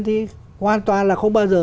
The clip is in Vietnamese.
thì hoàn toàn là không bao giờ